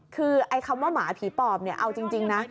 คือคำว่าหมาผีปอบเอาจริงนะ